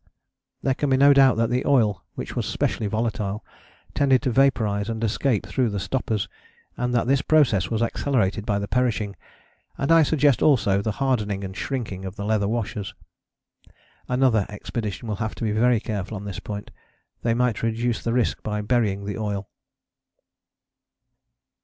There can be no doubt that the oil, which was specially volatile, tended to vaporize and escape through the stoppers, and that this process was accelerated by the perishing, and I suggest also the hardening and shrinking, of the leather washers. Another expedition will have to be very careful on this point: they might reduce the risk by burying the oil.